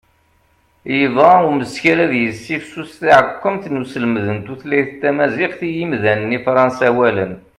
yebɣa umeskar ad yessifsus taɛekkumt n uselmed n tutlayt tamaziɣt i yimdanen ifransawalen